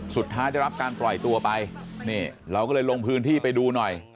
สุดท้ายได้รับการปล่อยตัวไปนี่เราก็เลยลงพื้นที่ไปดูหน่อย